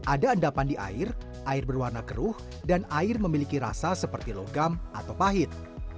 ada endapan di air air berwarna keruh dan air memiliki rasa seperti logam atau pahit